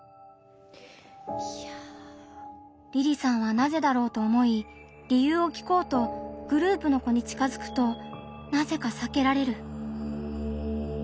りりさんはなぜだろうと思い理由を聞こうとグループの子に近づくとなぜかさけられる。